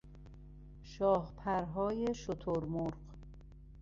شاهپرهای شتر مرغ